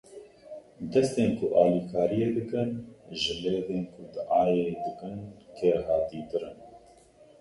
Destên ku alîkariyê dikin, ji lêvên ku diayê dikin kêrhatîtir in.